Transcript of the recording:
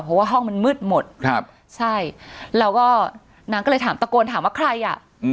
เพราะว่าห้องมันมืดหมดครับใช่แล้วก็นางก็เลยถามตะโกนถามว่าใครอ่ะ